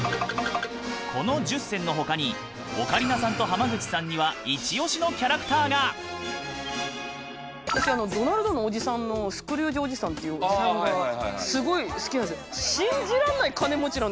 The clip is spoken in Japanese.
この１０選の他にオカリナさんと濱口さんには私ドナルドのおじさんのスクルージおじさんっていうおじさんがすごい好きなんですよ。